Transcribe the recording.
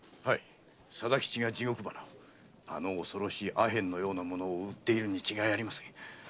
はい貞吉が「地獄花」をあの恐ろしい阿片のようなものを売っているに違いありません。